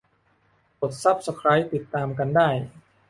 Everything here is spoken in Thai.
กดซับสไครบ์ติดตามกันได้